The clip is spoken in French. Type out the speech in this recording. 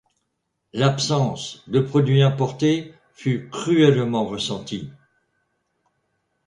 L'absence de produits importées fut cruellement ressentie.